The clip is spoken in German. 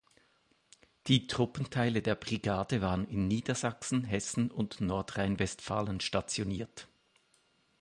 Die Truppenteile der Brigade waren in Niedersachsen, Hessen, und Nordrhein-Westfalen stationiert.